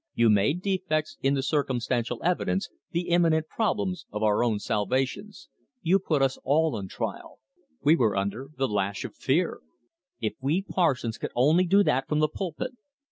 You made defects in the circumstantial evidence, the imminent problems of our own salvation. You put us all on trial. We were under the lash of fear. If we parsons could only do that from the pulpit!"